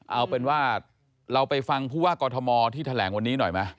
เอาเป็นว่าเราไปฟังผู้ว่ากอทมที่แถลงวันนี้หน่อยไหม